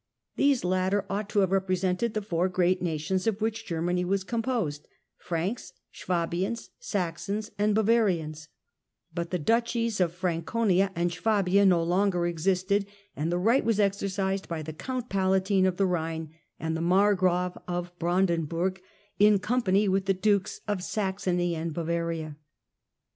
These latter ought to have represented the four great nations of which Germany was composed, Franks, Sw^abians, Saxons and Bavarians ; but the Duchies of Franconia and Swabia no longer existed, and the right was exercised by the Count Palatine of the Rhine and the Margrave of Brandenburg in com pany with the Dukes of Saxony and Bavaria.